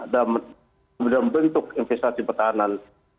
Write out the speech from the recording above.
dalam bentuk investasi pertahanan